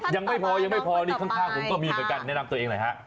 ยังไม่พอยังไม่พอนี่ข้างผมก็มีเหมือนกันแนะนำตัวเองหน่อยฮะ